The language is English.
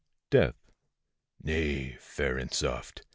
DEATH. Nay, fair and soft!